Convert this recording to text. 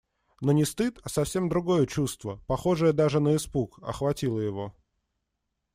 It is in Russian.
Но не стыд, а совсем другое чувство, похожее даже на испуг, охватило его.